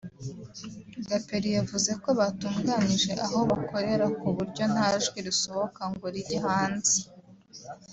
Gaperi yavuze ko batunganyije aho bakorera ku buryo nta jwi risohoka ngo rijye hanze